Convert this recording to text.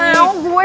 gak mau gue